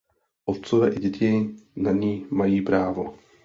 Otcové i děti na ni mají právo.